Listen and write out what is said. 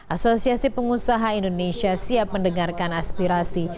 asosiasi pengusaha indonesia siap mendengarkan aspirasi